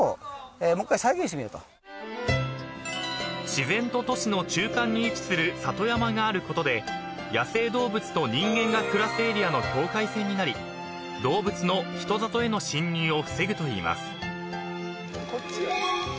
［自然と都市の中間に位置する里山があることで野生動物と人間が暮らすエリアの境界線になり動物の人里への侵入を防ぐといいます］